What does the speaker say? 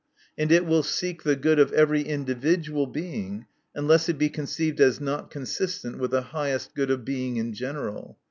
And it will seek the good of every individual Being unless it be conceiv ed as not consistent with the highest good of Being in general.